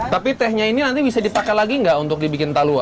tapi tehnya ini nanti bisa dipakai lagi nggak untuk dibikin talua